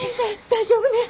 大丈夫ね？